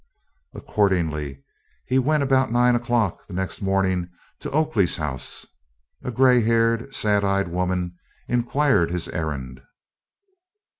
Accordingly he went about nine o'clock the next morning to Oakley's house. A gray haired, sad eyed woman inquired his errand.